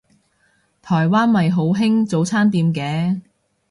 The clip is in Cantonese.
台灣咪好興早餐店嘅